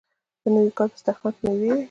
د نوي کال په دسترخان کې میوه وي.